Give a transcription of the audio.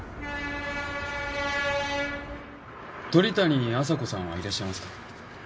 鳥谷亜沙子さんはいらっしゃいますか？